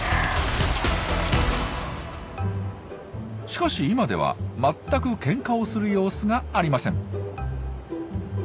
しかし今では全くけんかをする様子がありません。